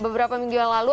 beberapa minggu yang lalu